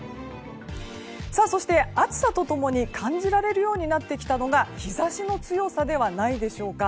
そして暑さと共に感じられるようになってきたのが日差しの強さではないでしょうか。